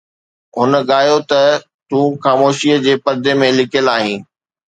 هن ڳايو ته تون خاموشيءَ جي پردي ۾ لڪيل آهين